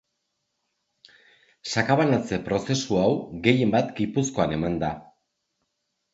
Sakabanatze prozesu hau gehien bat Gipuzkoan eman da.